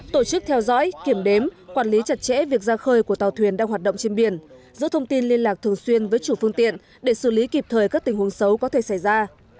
tổ chức theo dõi kiểm đếm quản lý chặt chẽ việc ra khơi của tàu thuyền đang hoạt động trên biển giữ thông tin liên lạc thường xuyên với chủ phương tiện để xử lý kịp thời các tình huống xấu có thể xảy ra